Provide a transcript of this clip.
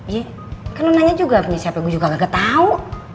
iya kan lo nanya juga apa nih siapa gue juga gak ketau